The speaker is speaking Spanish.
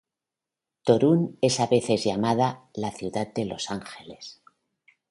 Toruń es a veces llamada "La Ciudad de los Ángeles".